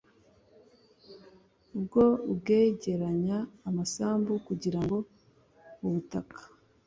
Bwo kwegeranya amasambu kugira ngo ubutaka